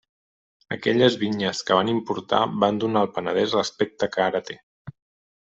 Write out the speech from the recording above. Aquelles vinyes que van importar van donar al Penedès l'aspecte que ara té.